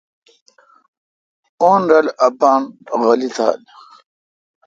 اؙن رل اپان غولی تھال۔